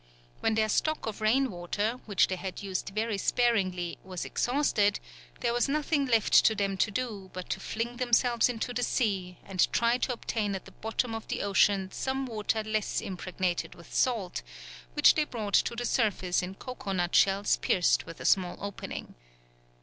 When their stock of rain water, which they had used very sparingly, was exhausted, there was nothing left to them to do but to fling themselves into the sea and try to obtain at the bottom of the ocean some water less impregnated with salt, which they brought to the surface in cocoa nut shells pierced with a small opening.